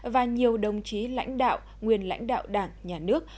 và nhiều đồng chí lãnh đạo nguyên lãnh đạo đảng nhà nước